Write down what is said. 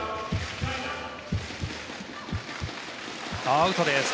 アウトです。